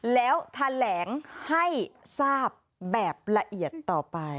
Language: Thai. แล้วแถลงให้ทราบแบบละเอียดต่อไป